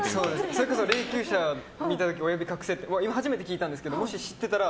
それこそ霊きゅう車見た時親指隠せって今、初めて聞いたんですけどもし知ってたら。